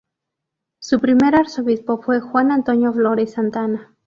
Su primer arzobispo fue Juan Antonio Flores Santana.